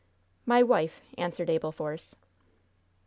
"My wife," answered Abel Force.